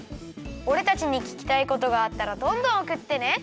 おれたちにききたいことがあったらどんどんおくってね！